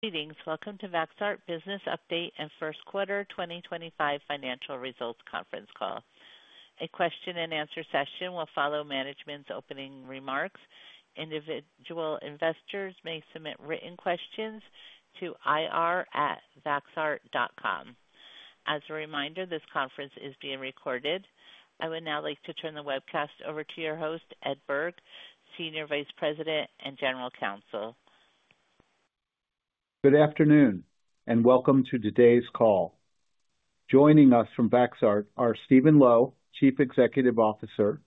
Greetings. Welcome to Vaxart Business Update and First Quarter 2025 Financial Results conference call. A question-and-answer session will follow management's opening remarks. Individual investors may submit written questions to ir@vaxart.com. As a reminder, this conference is being recorded. I would now like to turn the webcast over to your host, Ed Berg, Senior Vice President and General Counsel. Good afternoon and welcome to today's call. Joining us from Vaxart are Steven Lo, Chief Executive Officer;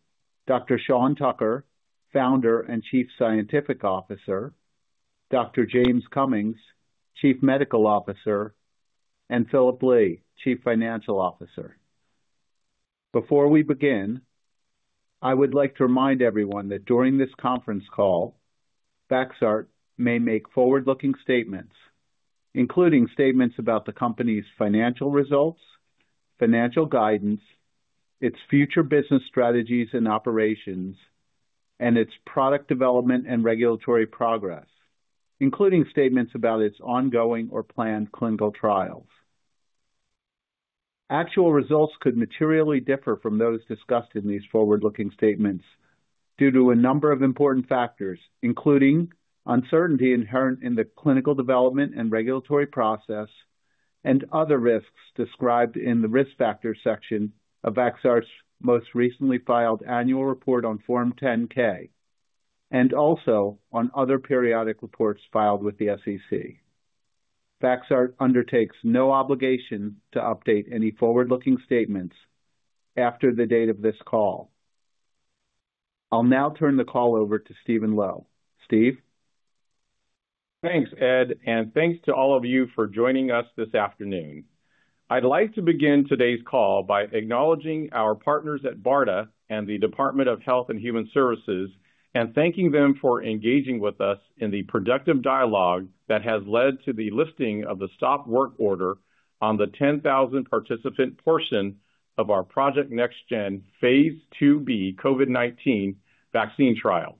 Dr. Sean Tucker, Founder and Chief Scientific Officer; Dr. James Cummings, Chief Medical Officer; and Philip Lee, Chief Financial Officer. Before we begin, I would like to remind everyone that during this conference call, Vaxart may make forward-looking statements, including statements about the company's financial results, financial guidance, its future business strategies and operations, and its product development and regulatory progress, including statements about its ongoing or planned clinical trials. Actual results could materially differ from those discussed in these forward-looking statements due to a number of important factors, including uncertainty inherent in the clinical development and regulatory process, and other risks described in the risk factors section of Vaxart's most recently filed annual report on Form 10-K, and also on other periodic reports filed with the SEC. Vaxart undertakes no obligation to update any forward-looking statements after the date of this call. I'll now turn the call over to Steven Lo. Steve? Thanks, Ed, and thanks to all of you for joining us this afternoon. I'd like to begin today's call by acknowledging our partners at BARDA and the Department of Health and Human Services, and thanking them for engaging with us in the productive dialogue that has led to the lifting of the stop work order on the 10,000 participant portion of our Project NextGen phase 2B COVID-19 vaccine trial.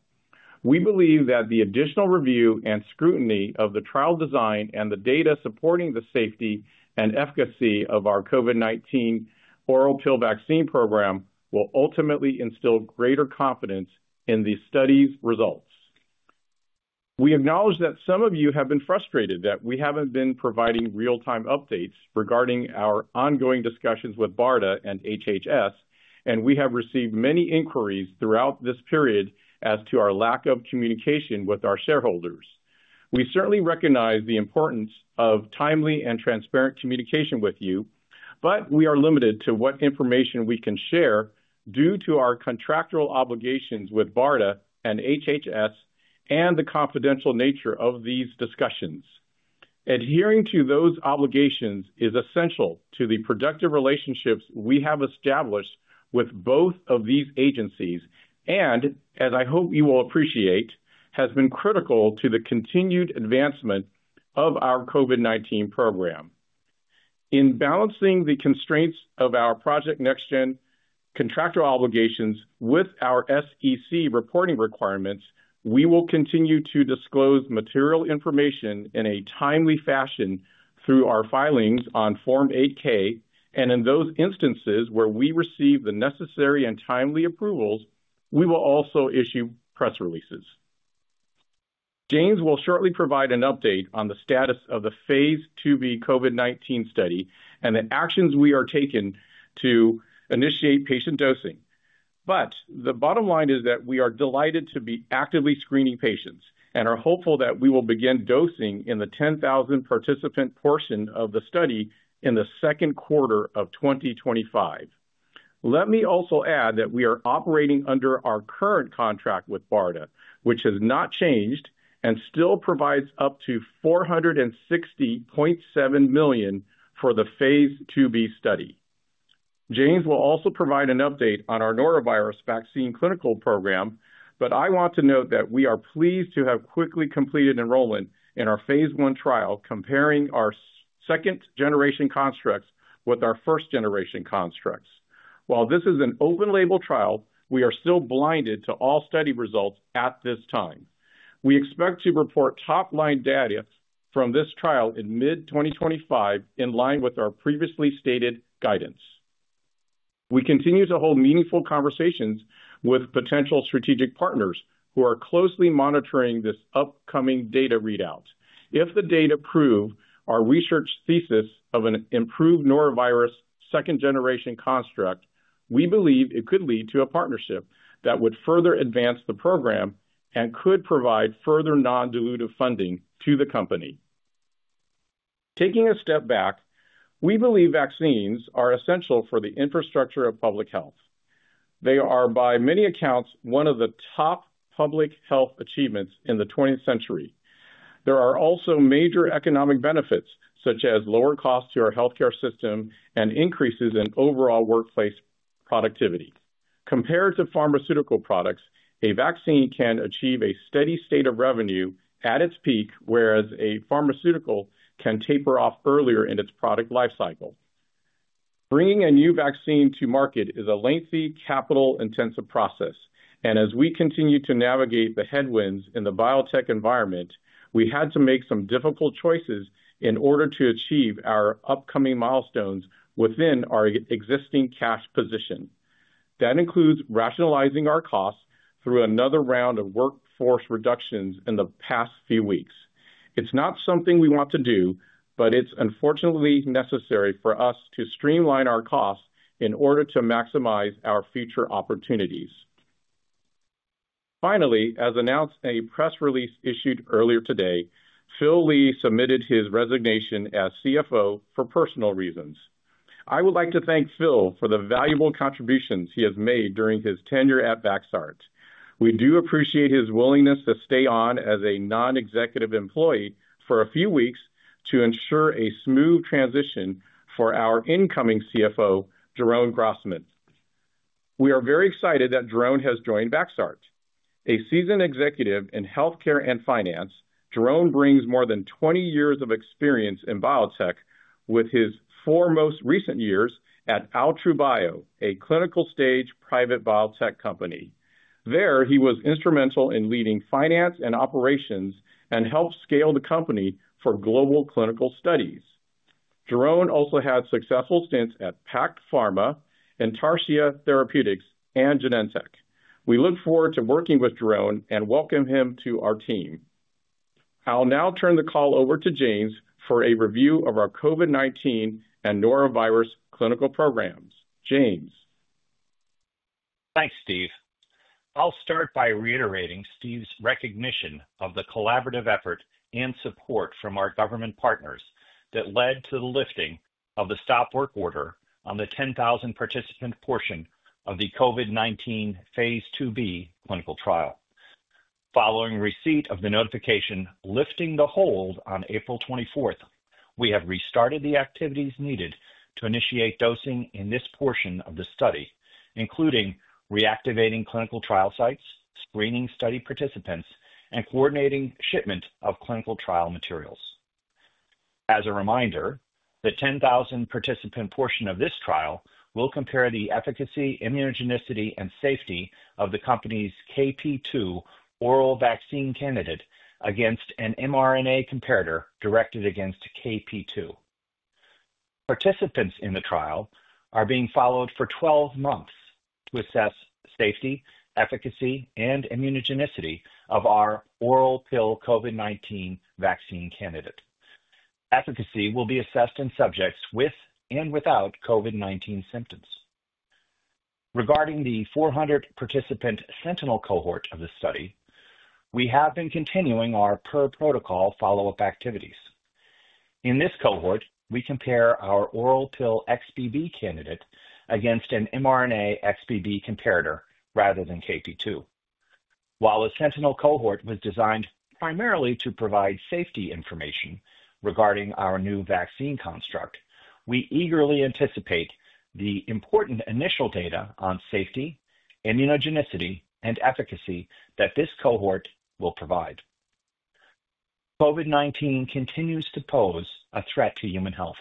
We believe that the additional review and scrutiny of the trial design and the data supporting the safety and efficacy of our COVID-19 oral pill vaccine program will ultimately instill greater confidence in the study's results. We acknowledge that some of you have been frustrated that we haven't been providing real-time updates regarding our ongoing discussions with BARDA and HHS, and we have received many inquiries throughout this period as to our lack of communication with our shareholders. We certainly recognize the importance of timely and transparent communication with you, but we are limited to what information we can share due to our contractual obligations with BARDA and HHS and the confidential nature of these discussions. Adhering to those obligations is essential to the productive relationships we have established with both of these agencies and, as I hope you will appreciate, has been critical to the continued advancement of our COVID-19 program. In balancing the constraints of our Project NextGen contractual obligations with our SEC reporting requirements, we will continue to disclose material information in a timely fashion through our filings on Form 8-K, and in those instances where we receive the necessary and timely approvals, we will also issue press releases. James will shortly provide an update on the status of the phase 2B COVID-19 study and the actions we are taking to initiate patient dosing. The bottom line is that we are delighted to be actively screening patients and are hopeful that we will begin dosing in the 10,000 participant portion of the study in the second quarter of 2025. Let me also add that we are operating under our current contract with BARDA, which has not changed and still provides up to $460.7 million for the phase 2B study. James will also provide an update on our norovirus vaccine clinical program, but I want to note that we are pleased to have quickly completed enrollment in our phase 1 trial comparing our second-generation constructs with our first-generation constructs. While this is an open-label trial, we are still blinded to all study results at this time. We expect to report top-line data from this trial in mid-2025 in line with our previously stated guidance. We continue to hold meaningful conversations with potential strategic partners who are closely monitoring this upcoming data readout. If the data prove our research thesis of an improved norovirus second-generation construct, we believe it could lead to a partnership that would further advance the program and could provide further non-dilutive funding to the company. Taking a step back, we believe vaccines are essential for the infrastructure of public health. They are, by many accounts, one of the top public health achievements in the 20th century. There are also major economic benefits, such as lower costs to our healthcare system and increases in overall workplace productivity. Compared to pharmaceutical products, a vaccine can achieve a steady state of revenue at its peak, whereas a pharmaceutical can taper off earlier in its product lifecycle. Bringing a new vaccine to market is a lengthy, capital-intensive process, and as we continue to navigate the headwinds in the biotech environment, we had to make some difficult choices in order to achieve our upcoming milestones within our existing cash position. That includes rationalizing our costs through another round of workforce reductions in the past few weeks. It's not something we want to do, but it's unfortunately necessary for us to streamline our costs in order to maximize our future opportunities. Finally, as announced in a press release issued earlier today, Phil Lee submitted his resignation as CFO for personal reasons. I would like to thank Phil for the valuable contributions he has made during his tenure at Vaxart. We do appreciate his willingness to stay on as a non-executive employee for a few weeks to ensure a smooth transition for our incoming CFO, Jeroen Grassman. We are very excited that Jeroen has joined Vaxart. A seasoned executive in healthcare and finance, Jeroen brings more than 20 years of experience in biotech, with his four most recent years at Altru Bio, a clinical-stage private biotech company. There, he was instrumental in leading finance and operations and helped scale the company for global clinical studies. Jeroen also had successful stints at PacPharma, Intarsia Therapeutics, and Genentech. We look forward to working with Jeroen and welcome him to our team. I'll now turn the call over to James for a review of our COVID-19 and norovirus clinical programs. James. Thanks, Steve. I'll start by reiterating Steve's recognition of the collaborative effort and support from our government partners that led to the lifting of the stop work order on the 10,000 participant portion of the COVID-19 phase 2B clinical trial. Following receipt of the notification lifting the hold on April 24, we have restarted the activities needed to initiate dosing in this portion of the study, including reactivating clinical trial sites, screening study participants, and coordinating shipment of clinical trial materials. As a reminder, the 10,000 participant portion of this trial will compare the efficacy, immunogenicity, and safety of the company's KP2 oral vaccine candidate against an mRNA comparator directed against KP2. Participants in the trial are being followed for 12 months to assess safety, efficacy, and immunogenicity of our oral pill COVID-19 vaccine candidate. Efficacy will be assessed in subjects with and without COVID-19 symptoms. Regarding the 400 participant sentinel cohort of the study, we have been continuing our per protocol follow-up activities. In this cohort, we compare our oral pill XBB candidate against an mRNA XBB comparator rather than KP2. While a sentinel cohort was designed primarily to provide safety information regarding our new vaccine construct, we eagerly anticipate the important initial data on safety, immunogenicity, and efficacy that this cohort will provide. COVID-19 continues to pose a threat to human health,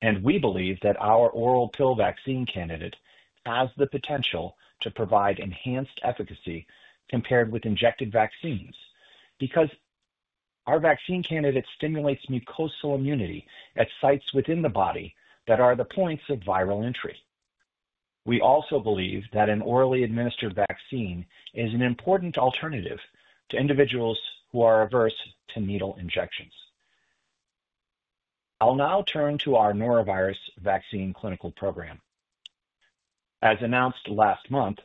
and we believe that our oral pill vaccine candidate has the potential to provide enhanced efficacy compared with injected vaccines because our vaccine candidate stimulates mucosal immunity at sites within the body that are the points of viral entry. We also believe that an orally administered vaccine is an important alternative to individuals who are averse to needle injections. I'll now turn to our norovirus vaccine clinical program. As announced last month,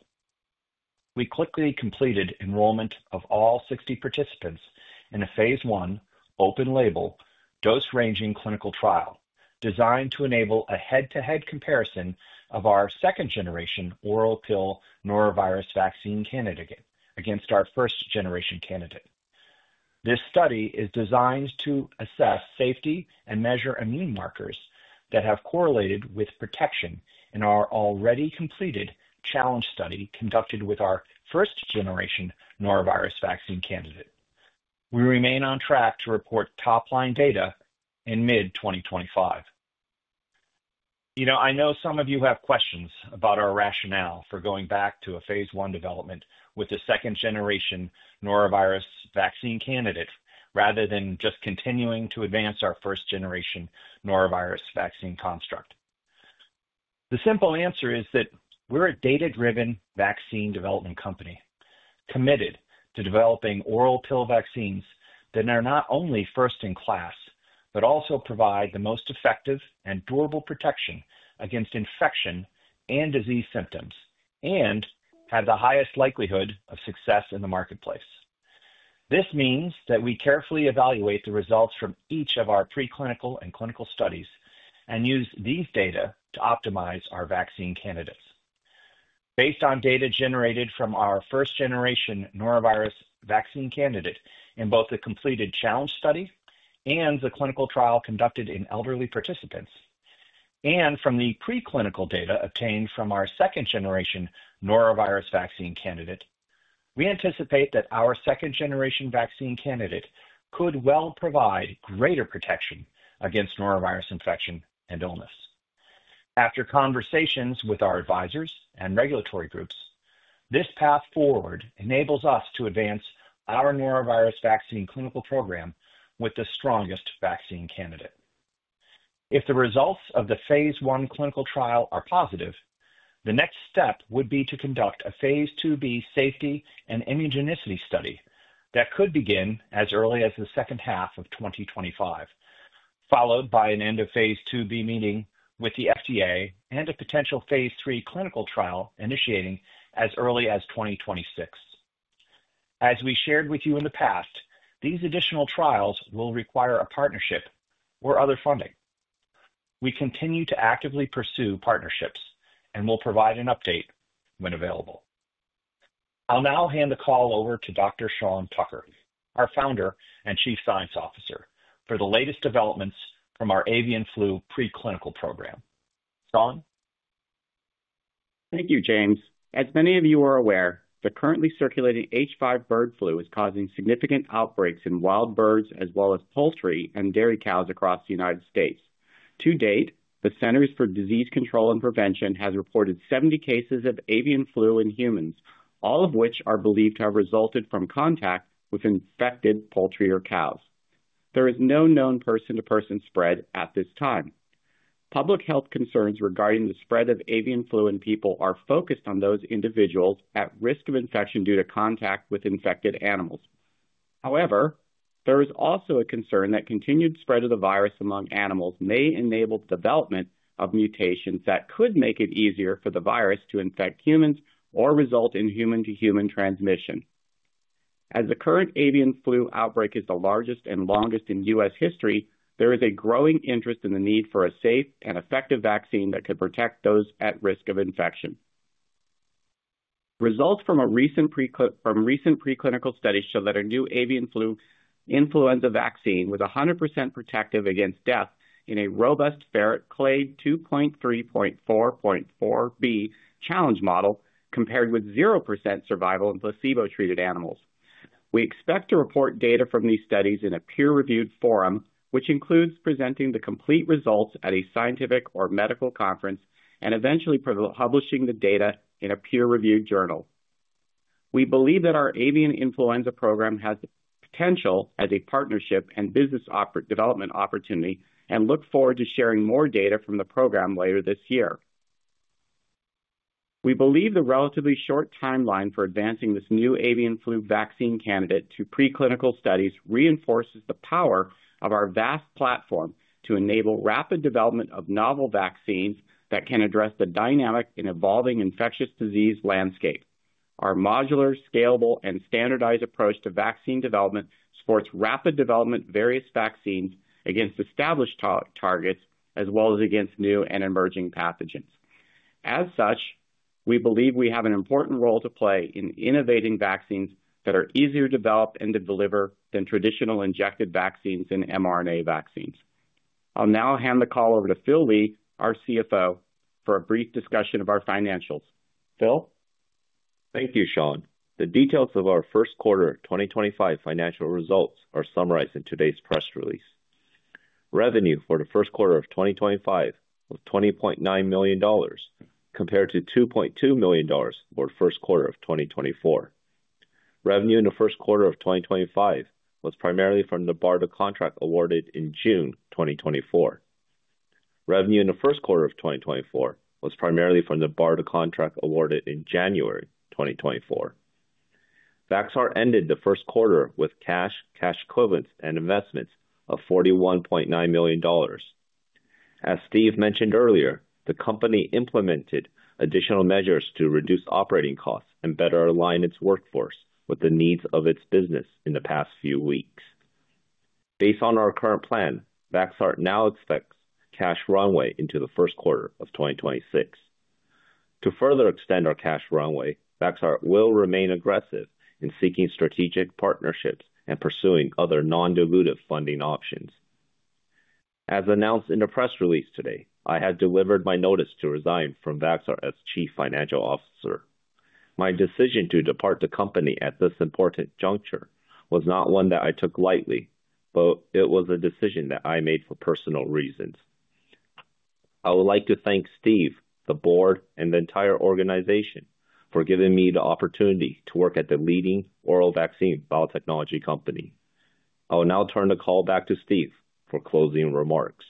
we quickly completed enrollment of all 60 participants in a phase 1 open-label, dose-ranging clinical trial designed to enable a head-to-head comparison of our second-generation oral pill norovirus vaccine candidate against our first-generation candidate. This study is designed to assess safety and measure immune markers that have correlated with protection in our already completed challenge study conducted with our first-generation norovirus vaccine candidate. We remain on track to report top-line data in mid-2025. You know, I know some of you have questions about our rationale for going back to a phase 1 development with a second-generation norovirus vaccine candidate rather than just continuing to advance our first-generation norovirus vaccine construct. The simple answer is that we're a data-driven vaccine development company committed to developing oral pill vaccines that are not only first-in-class but also provide the most effective and durable protection against infection and disease symptoms and have the highest likelihood of success in the marketplace. This means that we carefully evaluate the results from each of our preclinical and clinical studies and use these data to optimize our vaccine candidates. Based on data generated from our first-generation norovirus vaccine candidate in both the completed challenge study and the clinical trial conducted in elderly participants, and from the preclinical data obtained from our second-generation norovirus vaccine candidate, we anticipate that our second-generation vaccine candidate could well provide greater protection against norovirus infection and illness. After conversations with our advisors and regulatory groups, this path forward enables us to advance our norovirus vaccine clinical program with the strongest vaccine candidate. If the results of the phase 1 clinical trial are positive, the next step would be to conduct a phase 2B safety and immunogenicity study that could begin as early as the second half of 2025, followed by an end-of-phase 2B meeting with the FDA and a potential phase 3 clinical trial initiating as early as 2026. As we shared with you in the past, these additional trials will require a partnership or other funding. We continue to actively pursue partnerships and will provide an update when available. I'll now hand the call over to Dr. Sean Tucker, our Founder and Chief Scientific Officer, for the latest developments from our avian flu preclinical program. Sean? Thank you, James. As many of you are aware, the currently circulating H5 bird flu is causing significant outbreaks in wild birds as well as poultry and dairy cows across the United States. To date, the Centers for Disease Control and Prevention has reported 70 cases of avian flu in humans, all of which are believed to have resulted from contact with infected poultry or cows. There is no known person-to-person spread at this time. Public health concerns regarding the spread of avian flu in people are focused on those individuals at risk of infection due to contact with infected animals. However, there is also a concern that continued spread of the virus among animals may enable the development of mutations that could make it easier for the virus to infect humans or result in human-to-human transmission. As the current avian flu outbreak is the largest and longest in U.S. History, there is a growing interest in the need for a safe and effective vaccine that could protect those at risk of infection. Results from a recent preclinical study show that our new avian flu influenza vaccine was 100% protective against death in a robust FAIR clade 2.3.4.4b challenge model compared with 0% survival in placebo-treated animals. We expect to report data from these studies in a peer-reviewed forum, which includes presenting the complete results at a scientific or medical conference and eventually publishing the data in a peer-reviewed journal. We believe that our avian influenza program has the potential as a partnership and business development opportunity and look forward to sharing more data from the program later this year. We believe the relatively short timeline for advancing this new avian flu vaccine candidate to preclinical studies reinforces the power of our vast platform to enable rapid development of novel vaccines that can address the dynamic and evolving infectious disease landscape. Our modular, scalable, and standardized approach to vaccine development supports rapid development of various vaccines against established targets as well as against new and emerging pathogens. As such, we believe we have an important role to play in innovating vaccines that are easier to develop and to deliver than traditional injected vaccines and mRNA vaccines. I'll now hand the call over to Phil Lee, our CFO, for a brief discussion of our financials. Phil? Thank you, Sean. The details of our first quarter 2025 financial results are summarized in today's press release. Revenue for the first quarter of 2025 was $20.9 million compared to $2.2 million for the first quarter of 2024. Revenue in the first quarter of 2025 was primarily from the BARDA contract awarded in June 2024. Revenue in the first quarter of 2024 was primarily from the BARDA contract awarded in January 2024. Vaxart ended the first quarter with cash, cash equivalents, and investments of $41.9 million. As Steve mentioned earlier, the company implemented additional measures to reduce operating costs and better align its workforce with the needs of its business in the past few weeks. Based on our current plan, Vaxart now expects cash runway into the first quarter of 2026. To further extend our cash runway, Vaxart will remain aggressive in seeking strategic partnerships and pursuing other non-dilutive funding options. As announced in the press release today, I had delivered my notice to resign from Vaxart as Chief Financial Officer. My decision to depart the company at this important juncture was not one that I took lightly, but it was a decision that I made for personal reasons. I would like to thank Steve, the board, and the entire organization for giving me the opportunity to work at the leading oral vaccine biotechnology company. I will now turn the call back to Steve for closing remarks.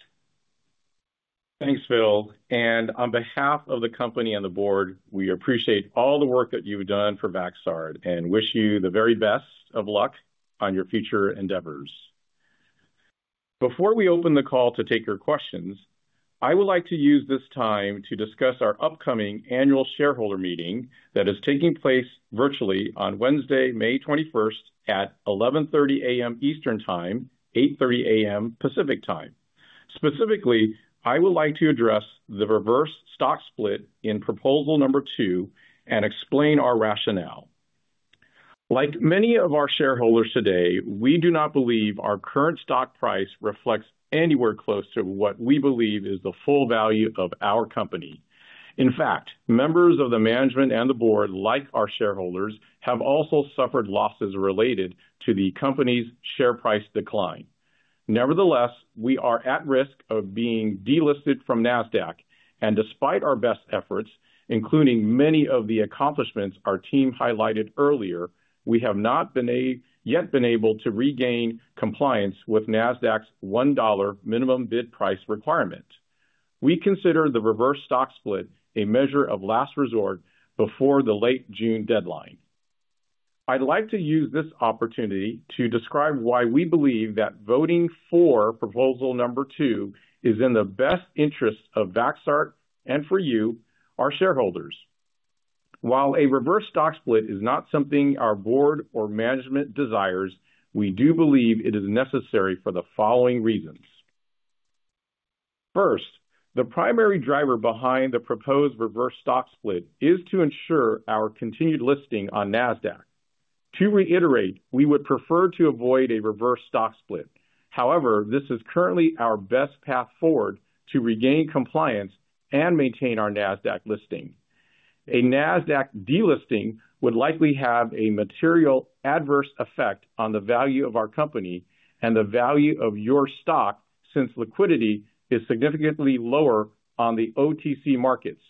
Thanks, Phil. On behalf of the company and the board, we appreciate all the work that you've done for Vaxart and wish you the very best of luck on your future endeavors. Before we open the call to take your questions, I would like to use this time to discuss our upcoming annual shareholder meeting that is taking place virtually on Wednesday, May 21, at 11:30 A.M. Eastern Time, 8:30 A.M. Pacific Time. Specifically, I would like to address the reverse stock split in proposal number two and explain our rationale. Like many of our shareholders today, we do not believe our current stock price reflects anywhere close to what we believe is the full value of our company. In fact, members of the management and the board, like our shareholders, have also suffered losses related to the company's share price decline. Nevertheless, we are at risk of being delisted from NASDAQ. Despite our best efforts, including many of the accomplishments our team highlighted earlier, we have not yet been able to regain compliance with NASDAQ's $1 minimum bid price requirement. We consider the reverse stock split a measure of last resort before the late June deadline. I'd like to use this opportunity to describe why we believe that voting for proposal number two is in the best interest of Vaxart and for you, our shareholders. While a reverse stock split is not something our board or management desires, we do believe it is necessary for the following reasons. First, the primary driver behind the proposed reverse stock split is to ensure our continued listing on NASDAQ. To reiterate, we would prefer to avoid a reverse stock split. However, this is currently our best path forward to regain compliance and maintain our NASDAQ listing. A NASDAQ delisting would likely have a material adverse effect on the value of our company and the value of your stock since liquidity is significantly lower on the OTC markets,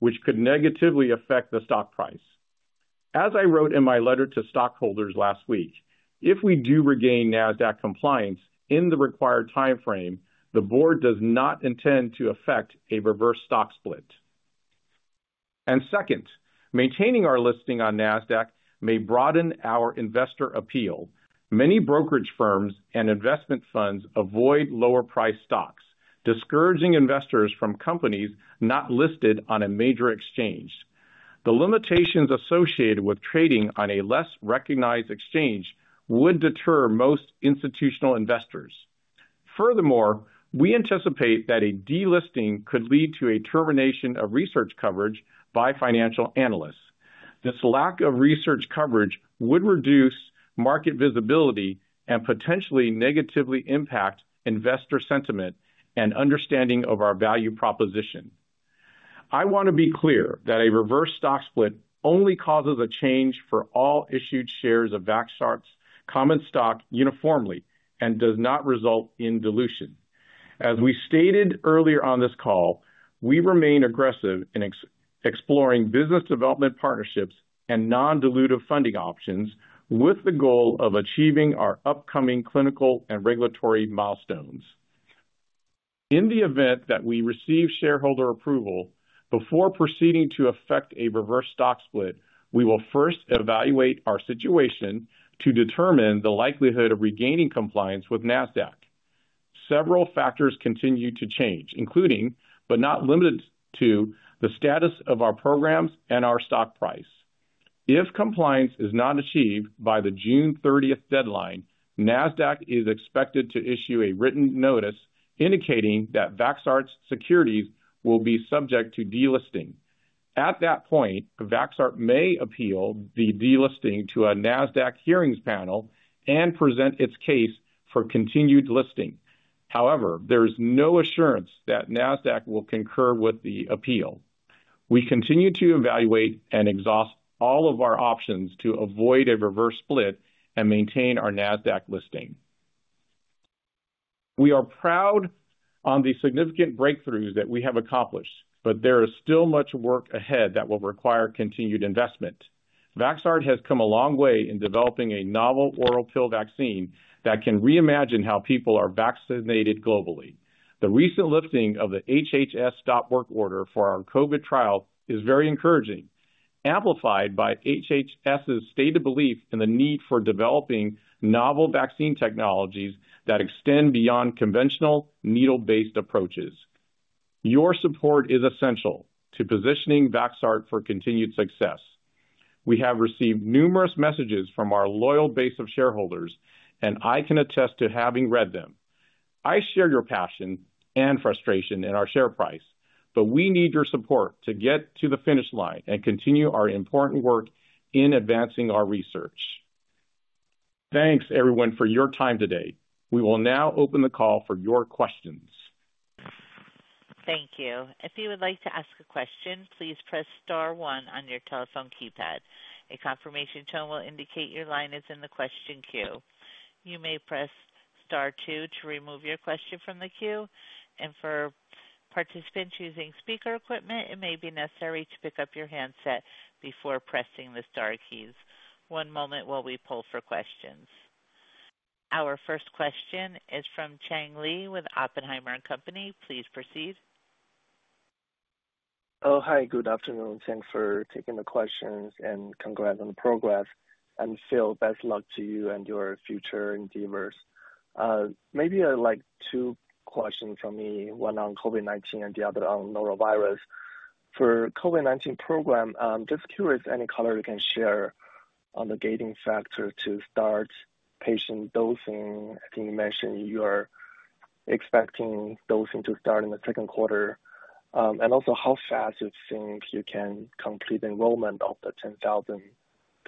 which could negatively affect the stock price. As I wrote in my letter to stockholders last week, if we do regain NASDAQ compliance in the required timeframe, the board does not intend to affect a reverse stock split. Second, maintaining our listing on NASDAQ may broaden our investor appeal. Many brokerage firms and investment funds avoid lower-priced stocks, discouraging investors from companies not listed on a major exchange. The limitations associated with trading on a less recognized exchange would deter most institutional investors. Furthermore, we anticipate that a delisting could lead to a termination of research coverage by financial analysts. This lack of research coverage would reduce market visibility and potentially negatively impact investor sentiment and understanding of our value proposition. I want to be clear that a reverse stock split only causes a change for all issued shares of Vaxart's common stock uniformly and does not result in dilution. As we stated earlier on this call, we remain aggressive in exploring business development partnerships and non-dilutive funding options with the goal of achieving our upcoming clinical and regulatory milestones. In the event that we receive shareholder approval before proceeding to affect a reverse stock split, we will first evaluate our situation to determine the likelihood of regaining compliance with NASDAQ. Several factors continue to change, including, but not limited to, the status of our programs and our stock price. If compliance is not achieved by the June 30 deadline, NASDAQ is expected to issue a written notice indicating that Vaxart's securities will be subject to delisting. At that point, Vaxart may appeal the delisting to a NASDAQ hearings panel and present its case for continued listing. However, there is no assurance that NASDAQ will concur with the appeal. We continue to evaluate and exhaust all of our options to avoid a reverse split and maintain our NASDAQ listing. We are proud of the significant breakthroughs that we have accomplished, but there is still much work ahead that will require continued investment. Vaxart has come a long way in developing a novel oral pill vaccine that can reimagine how people are vaccinated globally. The recent lifting of the HHS stop work order for our COVID trial is very encouraging, amplified by HHS's state of belief in the need for developing novel vaccine technologies that extend beyond conventional needle-based approaches. Your support is essential to positioning Vaxart for continued success. We have received numerous messages from our loyal base of shareholders, and I can attest to having read them. I share your passion and frustration in our share price, but we need your support to get to the finish line and continue our important work in advancing our research. Thanks, everyone, for your time today. We will now open the call for your questions. Thank you. If you would like to ask a question, please press Star 1 on your telephone keypad. A confirmation tone will indicate your line is in the question queue. You may press Star 2 to remove your question from the queue. For participants using speaker equipment, it may be necessary to pick up your handset before pressing the Star keys. One moment while we pull for questions. Our first question is from Cheng Li with Oppenheimer & Company. Please proceed. Oh, hi. Good afternoon. Thanks for taking the questions and congrats on the progress. And Phil, best luck to you and your future endeavors. Maybe I'd like two questions from me, one on COVID-19 and the other on norovirus. For the COVID-19 program, I'm just curious any color you can share on the gating factor to start patient dosing. I think you mentioned you are expecting dosing to start in the second quarter. Also, how fast you think you can complete enrollment of the 10,000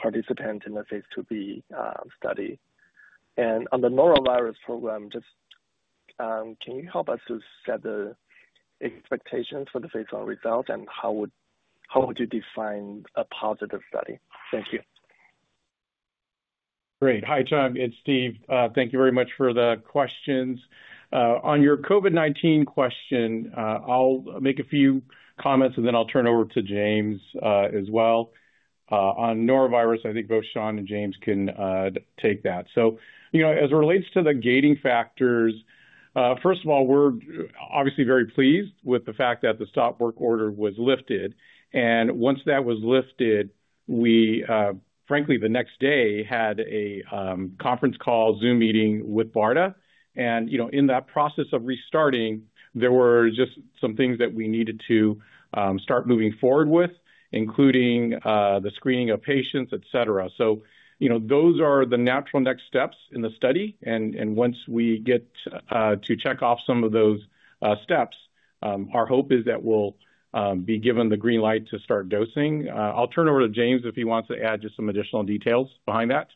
participants in the phase 2B study? On the norovirus program, just can you help us to set the expectations for the phase 1 results? How would you define a positive study? Thank you. Great. Hi, Cheng. It's Steve. Thank you very much for the questions. On your COVID-19 question, I'll make a few comments, and then I'll turn it over to James as well. On norovirus, I think both Sean and James can take that. As it relates to the gating factors, first of all, we're obviously very pleased with the fact that the stop work order was lifted. Once that was lifted, we, frankly, the next day had a conference call, Zoom meeting with BARDA. In that process of restarting, there were just some things that we needed to start moving forward with, including the screening of patients, et cetera. Those are the natural next steps in the study. Once we get to check off some of those steps, our hope is that we'll be given the green light to start dosing. I'll turn it over to James if he wants to add just some additional details behind that.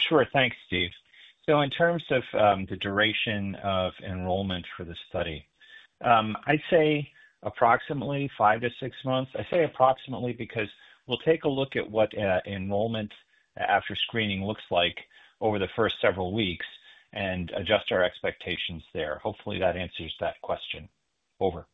Sure. Thanks, Steve. In terms of the duration of enrollment for the study, I'd say approximately five to six months. I say approximately because we'll take a look at what enrollment after screening looks like over the first several weeks and adjust our expectations there. Hopefully, that answers that question. Over.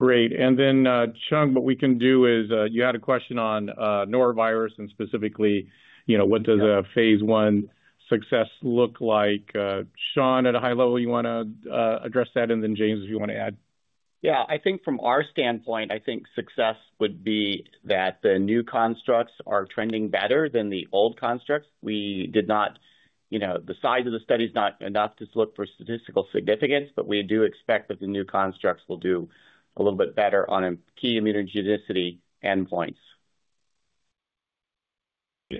Great. Cheng, what we can do is you had a question on norovirus and specifically what does a phase 1 success look like. Sean, at a high level, you want to address that? James, if you want to add. Yeah. I think from our standpoint, I think success would be that the new constructs are trending better than the old constructs. We did not, the size of the study is not enough to look for statistical significance, but we do expect that the new constructs will do a little bit better on key immunogenicity endpoints.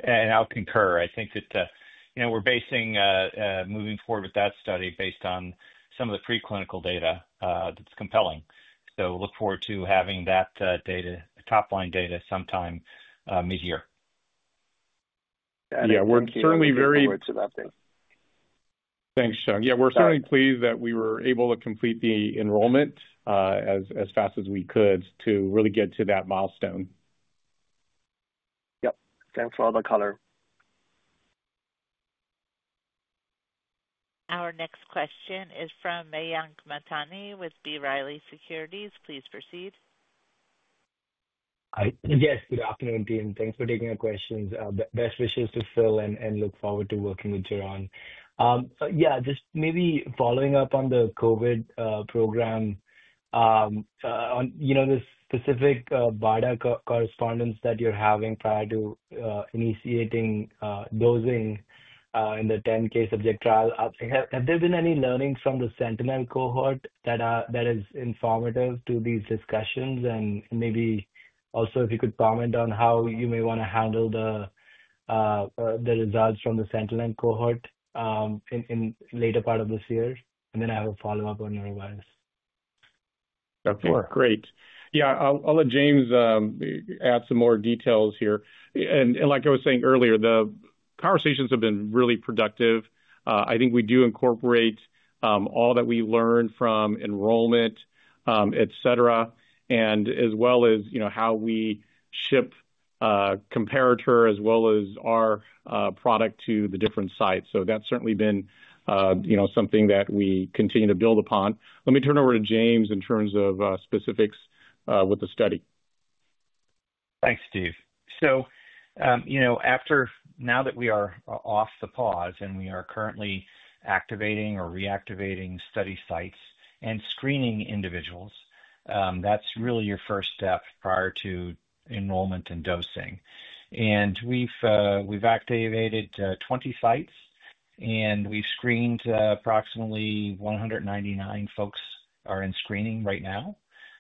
I'll concur. I think that we're basing moving forward with that study based on some of the preclinical data. That's compelling. Look forward to having that data, top-line data sometime mid-year. Yeah. We're certainly very. Thanks, Sean. Yeah. We're certainly pleased that we were able to complete the enrollment as fast as we could to really get to that milestone. Yep. Thanks for all the color. Our next question is from Mayank Mamtani with B. Riley Securities. Please proceed. Yes. Good afternoon, Dean. Thanks for taking our questions. Best wishes to Phil and look forward to working with you on. Yeah. Just maybe following up on the COVID program, the specific BARDA correspondence that you're having prior to initiating dosing in the 10,000 subject trial, have there been any learnings from the Sentinel cohort that is informative to these discussions? Maybe also, if you could comment on how you may want to handle the results from the Sentinel cohort in the later part of this year. I have a follow-up on norovirus. Sure. Great. Yeah. I'll let James add some more details here. Like I was saying earlier, the conversations have been really productive. I think we do incorporate all that we learned from enrollment, et cetera, as well as how we ship comparator as well as our product to the different sites. That has certainly been something that we continue to build upon. Let me turn it over to James in terms of specifics with the study. Thanks, Steve. Now that we are off the pause and we are currently activating or reactivating study sites and screening individuals, that's really your first step prior to enrollment and dosing. We have activated 20 sites, and we have screened approximately 199 folks who are in screening right now.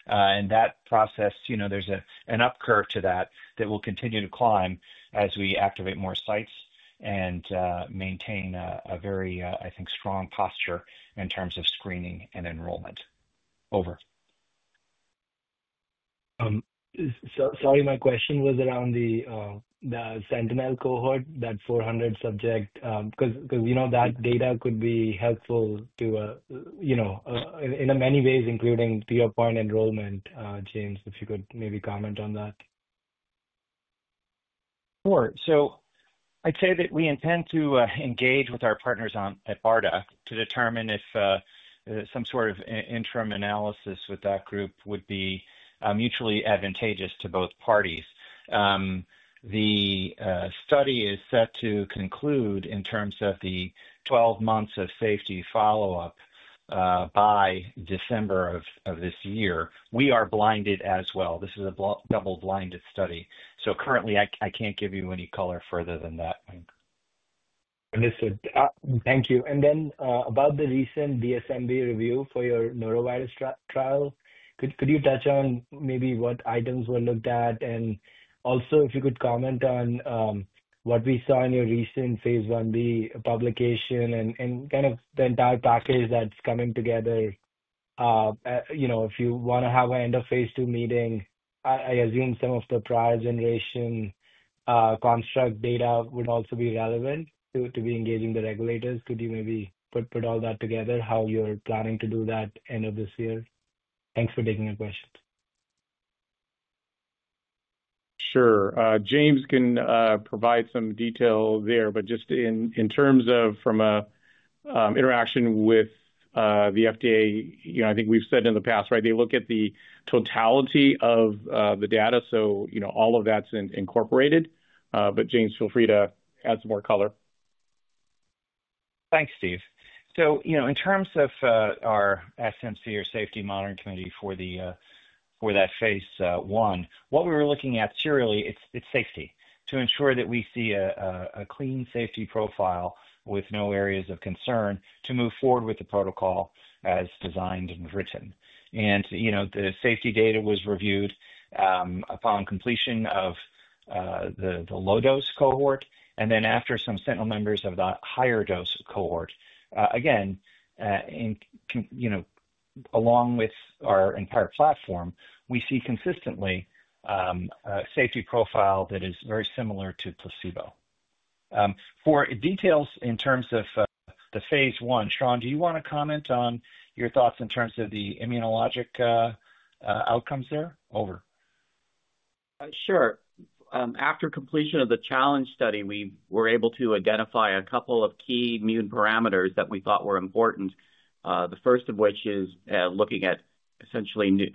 That process, there's an upcurve to that that will continue to climb as we activate more sites and maintain a very, I think, strong posture in terms of screening and enrollment. Over. Sorry, my question was around the sentinel cohort, that 400 subject, because that data could be helpful in many ways, including to your point, enrollment. James, if you could maybe comment on that. Sure. I'd say that we intend to engage with our partners at BARDA to determine if some sort of interim analysis with that group would be mutually advantageous to both parties. The study is set to conclude in terms of the 12 months of safety follow-up by December of this year. We are blinded as well. This is a double-blinded study. Currently, I can't give you any color further than that. Understood. Thank you. About the recent DSMB review for your norovirus trial, could you touch on maybe what items were looked at? Also, if you could comment on what we saw in your recent phase 1B publication and kind of the entire package that's coming together. If you want to have an end-of-phase 2 meeting, I assume some of the prior generation construct data would also be relevant to be engaging the regulators. Could you maybe put all that together, how you're planning to do that end of this year? Thanks for taking the questions. Sure. James can provide some detail there. Just in terms of from an interaction with the FDA, I think we've said in the past, right, they look at the totality of the data. All of that's incorporated. James, feel free to add some more color. Thanks, Steve. In terms of our SMC, our Safety Monitoring Committee for that phase 1, what we were looking at serially, it's safety to ensure that we see a clean safety profile with no areas of concern to move forward with the protocol as designed and written. The safety data was reviewed upon completion of the low-dose cohort, and then after some sentinel members of the higher-dose cohort. Again, along with our entire platform, we see consistently a safety profile that is very similar to placebo. For details in terms of the phase 1, Sean, do you want to comment on your thoughts in terms of the immunologic outcomes there? Over. Sure. After completion of the challenge study, we were able to identify a couple of key immune parameters that we thought were important, the first of which is looking at essentially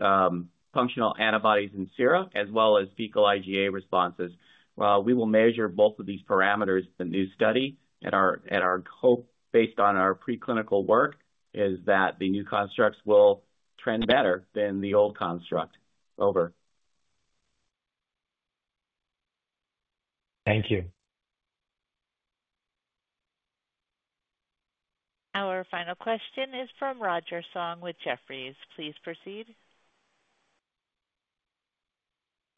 functional antibodies in serum as well as fecal IgA responses. While we will measure both of these parameters in the new study, and our hope based on our preclinical work is that the new constructs will trend better than the old construct. Over. Thank you. Our final question is from Roger Song with Jefferies. Please proceed.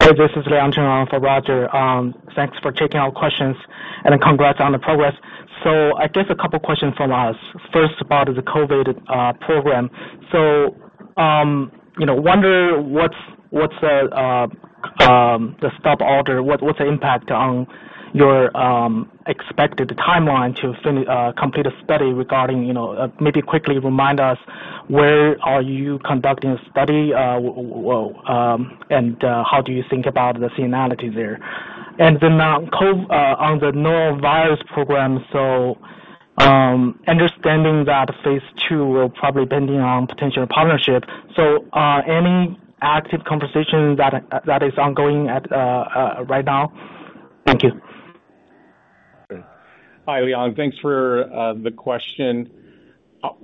Hi. This is Liang Cheng on from Roger. Thanks for taking our questions and congrats on the progress. I guess a couple of questions from us. First of all, the COVID program. I wonder what's the stop work order, what's the impact on your expected timeline to complete a study, maybe quickly remind us where are you conducting a study and how do you think about the finality there? On the norovirus program, understanding that phase 2 will probably depend on potential partnership. Any active conversation that is ongoing right now? Thank you. Hi, Liang. Thanks for the question.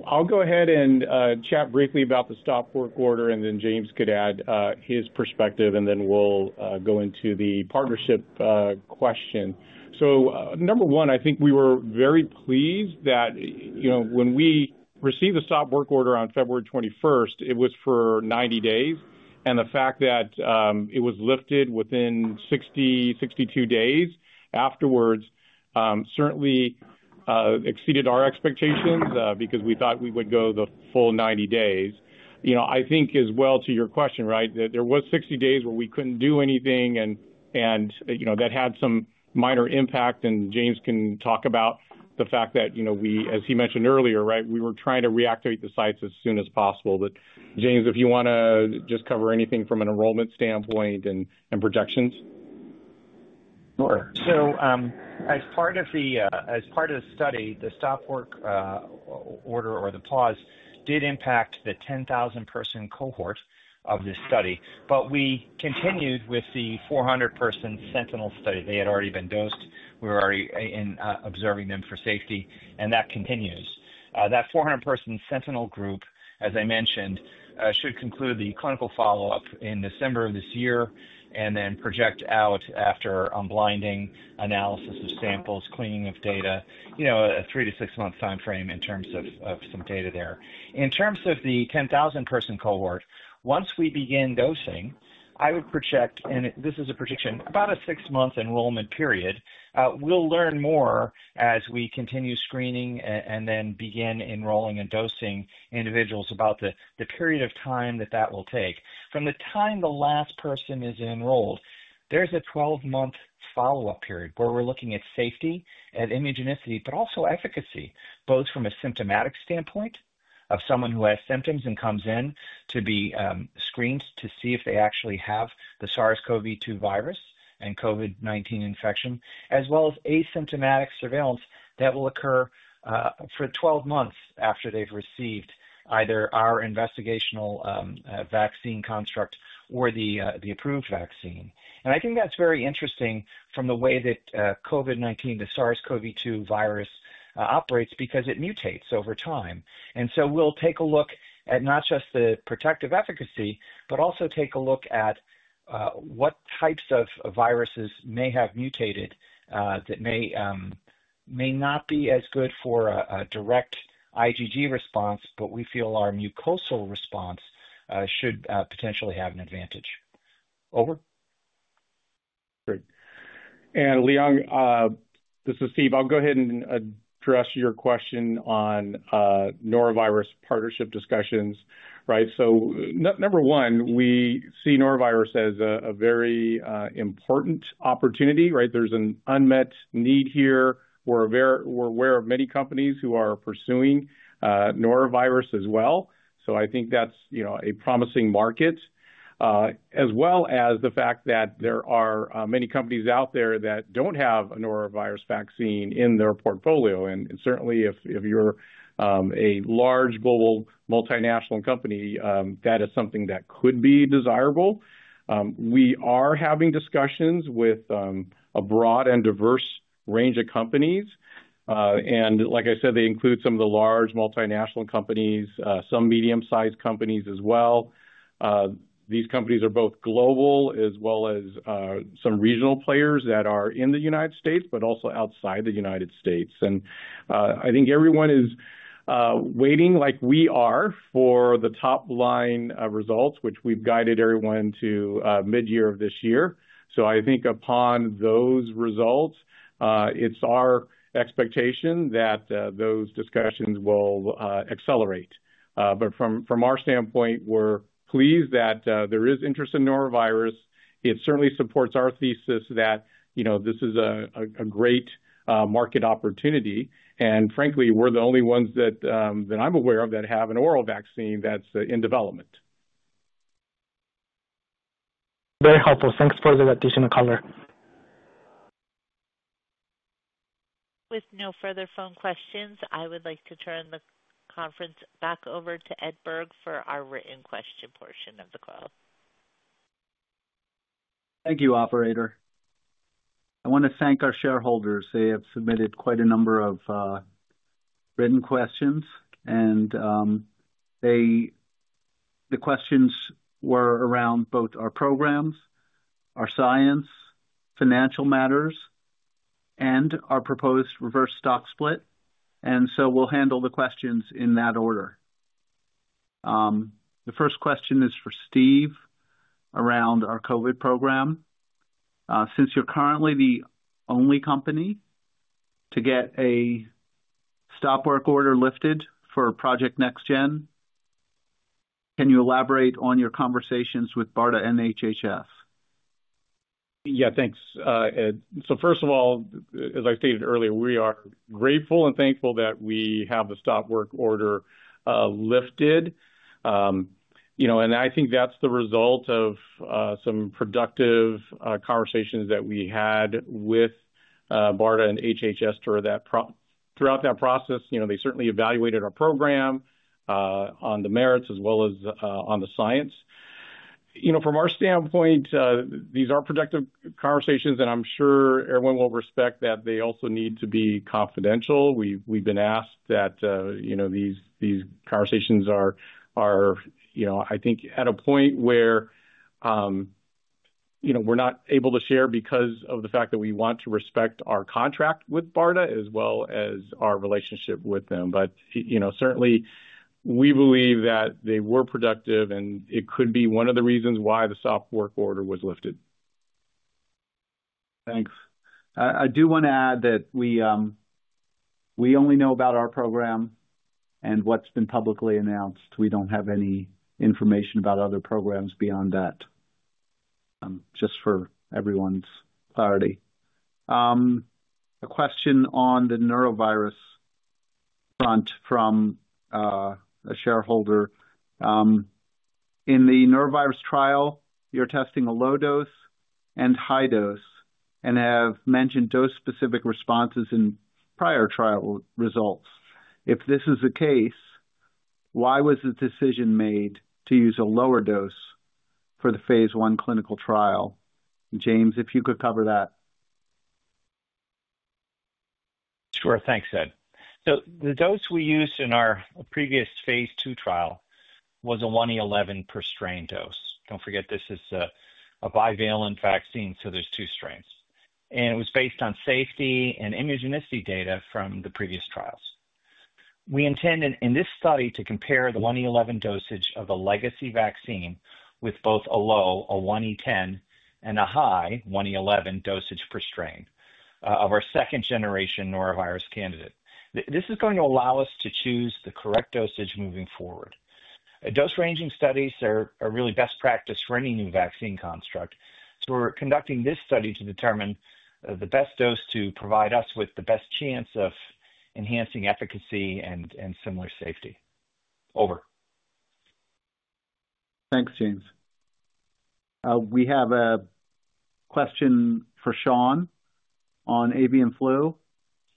I'll go ahead and chat briefly about the stop work order, and then James could add his perspective, and then we'll go into the partnership question. Number one, I think we were very pleased that when we received the stop work order on February 21, it was for 90 days. The fact that it was lifted within 60-62 days afterwards certainly exceeded our expectations because we thought we would go the full 90 days. I think as well to your question, right, that there were 60 days where we could not do anything and that had some minor impact. James can talk about the fact that, as he mentioned earlier, right, we were trying to reactivate the sites as soon as possible. James, if you want to just cover anything from an enrollment standpoint and projections. Sure. As part of the study, the stop work order or the pause did impact the 10,000-person cohort of this study. We continued with the 400-person sentinel study. They had already been dosed. We were already observing them for safety. That continues. That 400-person sentinel group, as I mentioned, should conclude the clinical follow-up in December of this year and then project out after unblinding analysis of samples, cleaning of data, a three- to six-month timeframe in terms of some data there. In terms of the 10,000-person cohort, once we begin dosing, I would project, and this is a prediction, about a six-month enrollment period. We will learn more as we continue screening and then begin enrolling and dosing individuals about the period of time that that will take. From the time the last person is enrolled, there's a 12-month follow-up period where we're looking at safety, at immunogenicity, but also efficacy, both from a symptomatic standpoint of someone who has symptoms and comes in to be screened to see if they actually have the SARS-CoV-2 virus and COVID-19 infection, as well as asymptomatic surveillance that will occur for 12 months after they've received either our investigational vaccine construct or the approved vaccine. I think that's very interesting from the way that COVID-19, the SARS-CoV-2 virus operates because it mutates over time. We will take a look at not just the protective efficacy, but also take a look at what types of viruses may have mutated that may not be as good for a direct IgG response, but we feel our mucosal response should potentially have an advantage. Over. Good. Liang, this is Steve. I'll go ahead and address your question on norovirus partnership discussions, right? Number one, we see norovirus as a very important opportunity, right? There's an unmet need here. We're aware of many companies who are pursuing norovirus as well. I think that's a promising market, as well as the fact that there are many companies out there that don't have a norovirus vaccine in their portfolio. Certainly, if you're a large global multinational company, that is something that could be desirable. We are having discussions with a broad and diverse range of companies. Like I said, they include some of the large multinational companies, some medium-sized companies as well. These companies are both global as well as some regional players that are in the United States, but also outside the United States. I think everyone is waiting like we are for the top-line results, which we have guided everyone to mid-year of this year. I think upon those results, it is our expectation that those discussions will accelerate. From our standpoint, we are pleased that there is interest in norovirus. It certainly supports our thesis that this is a great market opportunity. Frankly, we are the only ones that I am aware of that have an oral vaccine that is in development. Very helpful. Thanks for the additional color. With no further phone questions, I would like to turn the conference back over to Ed Berg for our written question portion of the call. Thank you, Operator. I want to thank our shareholders. They have submitted quite a number of written questions. The questions were around both our programs, our science, financial matters, and our proposed reverse stock split. We will handle the questions in that order. The first question is for Steve around our COVID program. Since you are currently the only company to get a stop work order lifted for Project NextGen, can you elaborate on your conversations with BARDA and HHS? Yeah, thanks. First of all, as I stated earlier, we are grateful and thankful that we have the stop work order lifted. I think that's the result of some productive conversations that we had with BARDA and HHS throughout that process. They certainly evaluated our program on the merits as well as on the science. From our standpoint, these are productive conversations, and I'm sure everyone will respect that they also need to be confidential. We've been asked that these conversations are, I think, at a point where we're not able to share because of the fact that we want to respect our contract with BARDA as well as our relationship with them. Certainly, we believe that they were productive, and it could be one of the reasons why the stop work order was lifted. Thanks. I do want to add that we only know about our program and what's been publicly announced. We don't have any information about other programs beyond that, just for everyone's clarity. A question on the norovirus front from a shareholder. In the norovirus trial, you're testing a low dose and high dose and have mentioned dose-specific responses in prior trial results. If this is the case, why was the decision made to use a lower dose for the phase 1 clinical trial? James, if you could cover that. Sure. Thanks, Ed. The dose we used in our previous phase 2 trial was a 1E11 per strain dose. Don't forget, this is a bivalent vaccine, so there's two strains. It was based on safety and immunogenicity data from the previous trials. We intend in this study to compare the 1E11 dosage of a legacy vaccine with both a low, a 1E10, and a high 1E11 dosage per strain of our second-generation norovirus candidate. This is going to allow us to choose the correct dosage moving forward. Dose-ranging studies are really best practice for any new vaccine construct. We are conducting this study to determine the best dose to provide us with the best chance of enhancing efficacy and similar safety. Over. Thanks, James. We have a question for Sean on avian flu.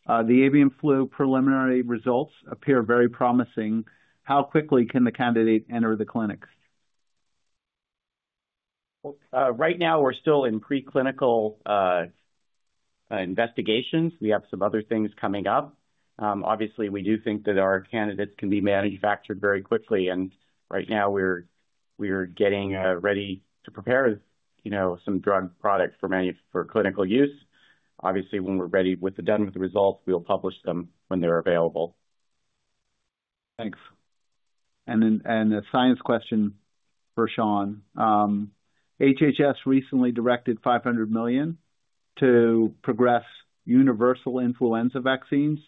The avian flu preliminary results appear very promising. How quickly can the candidate enter the clinic? Right now, we're still in preclinical investigations. We have some other things coming up. Obviously, we do think that our candidates can be manufactured very quickly. Right now, we're getting ready to prepare some drug product for clinical use. Obviously, when we're done with the results, we'll publish them when they're available. Thanks. A science question for Sean. HHS recently directed $500 million to progress universal influenza vaccines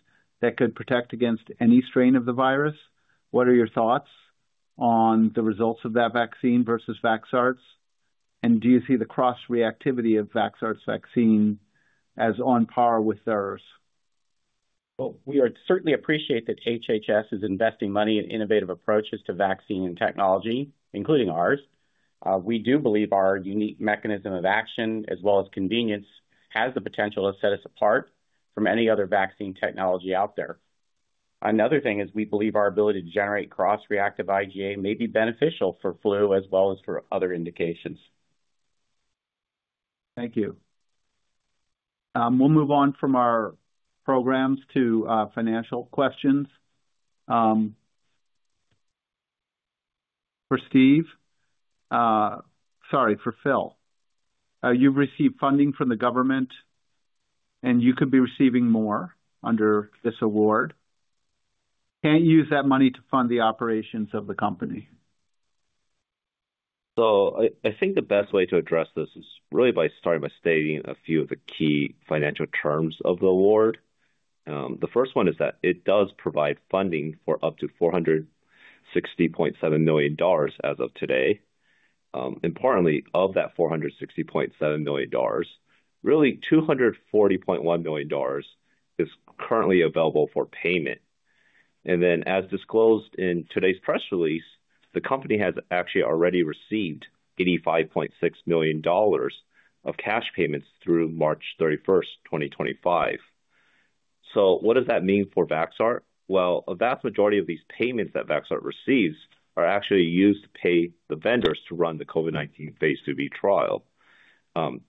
that could protect against any strain of the virus. What are your thoughts on the results of that vaccine versus Vaxart's? Do you see the cross-reactivity of Vaxart's vaccine as on par with theirs? We certainly appreciate that HHS is investing money in innovative approaches to vaccine and technology, including ours. We do believe our unique mechanism of action as well as convenience has the potential to set us apart from any other vaccine technology out there. Another thing is we believe our ability to generate cross-reactive IgA may be beneficial for flu as well as for other indications. Thank you. We'll move on from our programs to financial questions. For Steve, sorry, for Phil. You've received funding from the government, and you could be receiving more under this award. Can't use that money to fund the operations of the company. I think the best way to address this is really by starting by stating a few of the key financial terms of the award. The first one is that it does provide funding for up to $460.7 million as of today. Importantly, of that $460.7 million, really $240.1 million is currently available for payment. Importantly, as disclosed in today's press release, the company has actually already received $85.6 million of cash payments through March 31, 2025. What does that mean for Vaxart? A vast majority of these payments that Vaxart receives are actually used to pay the vendors to run the COVID-19 phase 2B trial.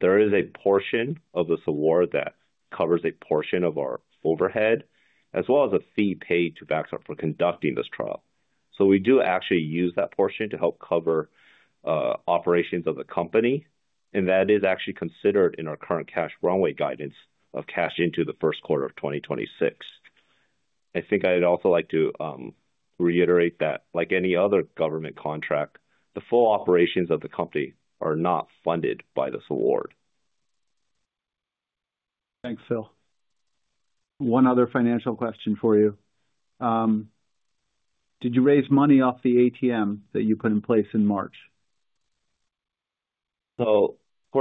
There is a portion of this award that covers a portion of our overhead, as well as a fee paid to Vaxart for conducting this trial. We do actually use that portion to help cover operations of the company. That is actually considered in our current cash runway guidance of cash into the first quarter of 2026. I think I'd also like to reiterate that, like any other government contract, the full operations of the company are not funded by this award. Thanks, Phil. One other financial question for you. Did you raise money off the ATM that you put in place in March? For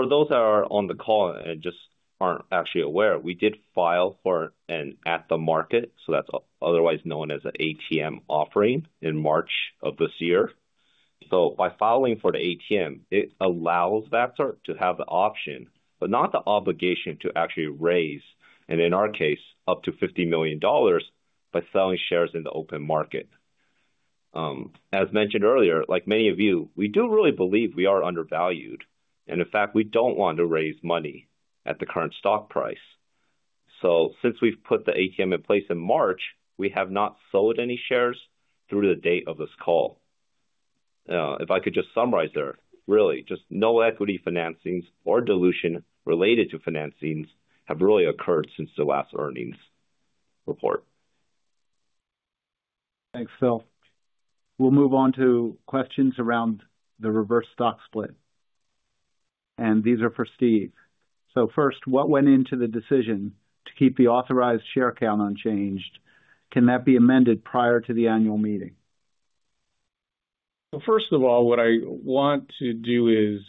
those that are on the call and just aren't actually aware, we did file for an at-the-market, so that's otherwise known as an ATM offering, in March of this year. By filing for the ATM, it allows Vaxart to have the option, but not the obligation to actually raise, and in our case, up to $50 million by selling shares in the open market. As mentioned earlier, like many of you, we do really believe we are undervalued. In fact, we don't want to raise money at the current stock price. Since we've put the ATM in place in March, we have not sold any shares through the date of this call. If I could just summarize there, really, just no equity financings or dilution related to financings have really occurred since the last earnings report. Thanks, Phil. We'll move on to questions around the reverse stock split. These are for Steve. First, what went into the decision to keep the authorized share count unchanged? Can that be amended prior to the annual meeting? First of all, what I want to do is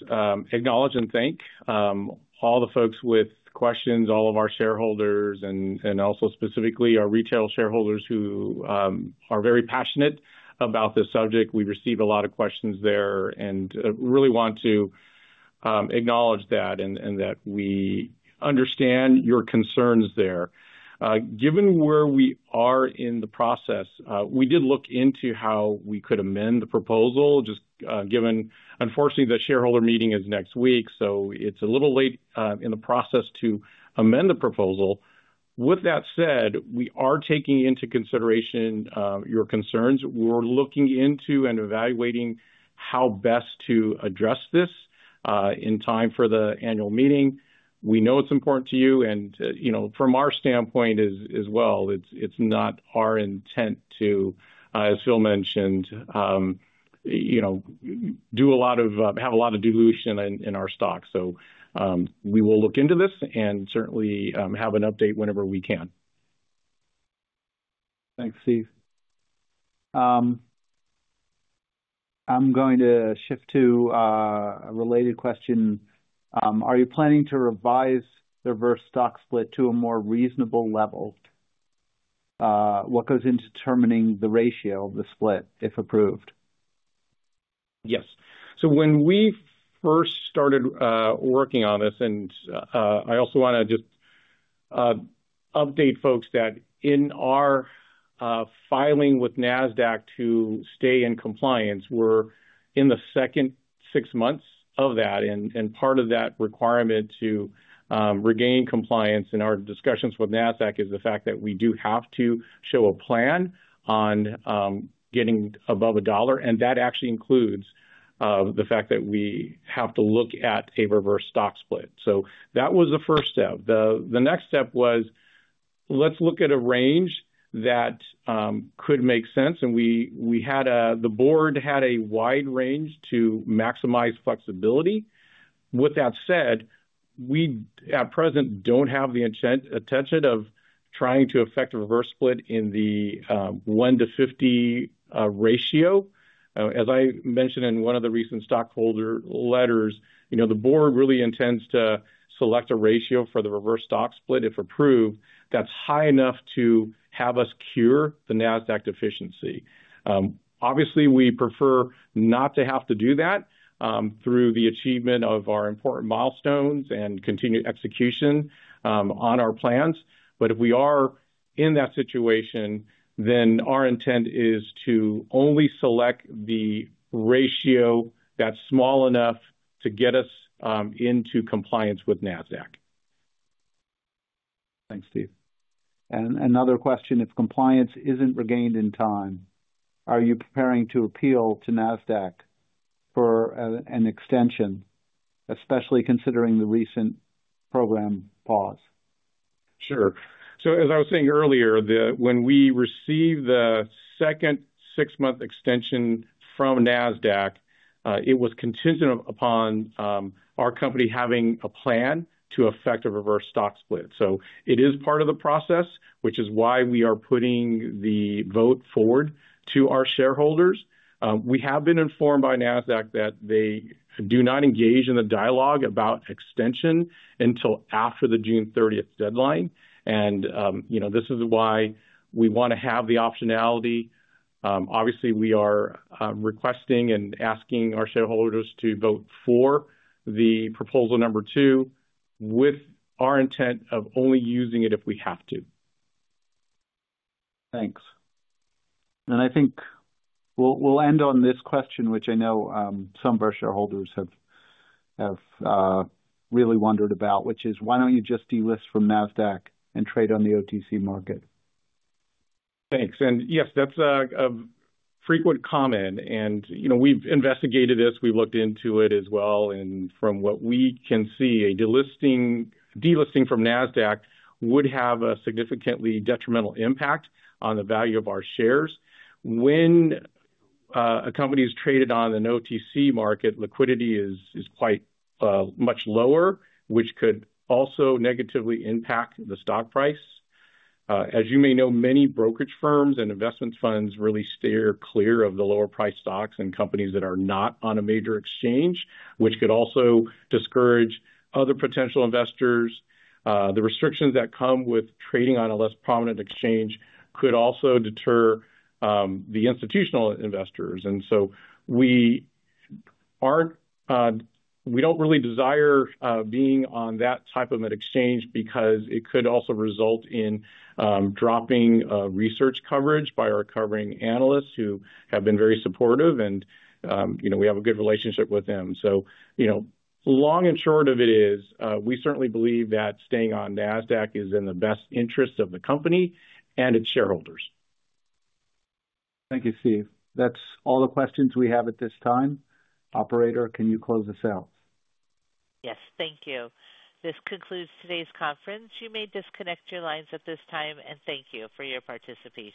acknowledge and thank all the folks with questions, all of our shareholders, and also specifically our retail shareholders who are very passionate about this subject. We receive a lot of questions there and really want to acknowledge that and that we understand your concerns there. Given where we are in the process, we did look into how we could amend the proposal, just given, unfortunately, the shareholder meeting is next week, so it's a little late in the process to amend the proposal. With that said, we are taking into consideration your concerns. We're looking into and evaluating how best to address this in time for the annual meeting. We know it's important to you. From our standpoint as well, it is not our intent to, as Phil mentioned, have a lot of dilution in our stock. We will look into this and certainly have an update whenever we can. Thanks, Steve. I'm going to shift to a related question. Are you planning to revise the reverse stock split to a more reasonable level? What goes into determining the ratio of the split, if approved? Yes. When we first started working on this, and I also want to just update folks that in our filing with NASDAQ to stay in compliance, we're in the second six months of that. Part of that requirement to regain compliance in our discussions with NASDAQ is the fact that we do have to show a plan on getting above a dollar. That actually includes the fact that we have to look at a reverse stock split. That was the first step. The next step was, let's look at a range that could make sense. The board had a wide range to maximize flexibility. With that said, we at present don't have the intention of trying to effect a reverse split in the 1-50 ratio. As I mentioned in one of the recent stockholder letters, the board really intends to select a ratio for the reverse stock split, if approved, that's high enough to have us cure the NASDAQ deficiency. Obviously, we prefer not to have to do that through the achievement of our important milestones and continued execution on our plans. If we are in that situation, then our intent is to only select the ratio that's small enough to get us into compliance with NASDAQ. Thanks, Steve. Another question. If compliance isn't regained in time, are you preparing to appeal to NASDAQ for an extension, especially considering the recent program pause? Sure. As I was saying earlier, when we received the second six-month extension from NASDAQ, it was contingent upon our company having a plan to effect a reverse stock split. It is part of the process, which is why we are putting the vote forward to our shareholders. We have been informed by NASDAQ that they do not engage in the dialogue about extension until after the June 30th deadline. This is why we want to have the optionality. Obviously, we are requesting and asking our shareholders to vote for the proposal number two with our intent of only using it if we have to. Thanks. I think we'll end on this question, which I know some of our shareholders have really wondered about, which is, why don't you just delist from NASDAQ and trade on the OTC market? Thanks. Yes, that's a frequent comment. We've investigated this. We've looked into it as well. From what we can see, a delisting from NASDAQ would have a significantly detrimental impact on the value of our shares. When a company is traded on an OTC market, liquidity is quite much lower, which could also negatively impact the stock price. As you may know, many brokerage firms and investment funds really steer clear of the lower-priced stocks and companies that are not on a major exchange, which could also discourage other potential investors. The restrictions that come with trading on a less prominent exchange could also deter the institutional investors. We do not really desire being on that type of an exchange because it could also result in dropping research coverage by our covering analysts who have been very supportive. We have a good relationship with them. Long and short of it is, we certainly believe that staying on NASDAQ is in the best interest of the company and its shareholders. Thank you, Steve. That's all the questions we have at this time. Operator, can you close the call? Yes. Thank you. This concludes today's conference. You may disconnect your lines at this time. Thank you for your participation.